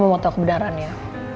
mama mau tau kebenaran ya